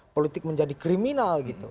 politik menjadi kriminal gitu